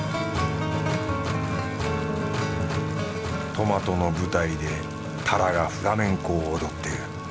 トマトの舞台でタラがフラメンコを踊っている。